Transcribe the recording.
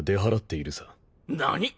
何？